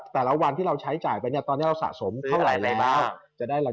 แต่ทีถ้าเราใช้จ่ายไปตอนนี้เราสะสมของสิ่งหลายแล้ว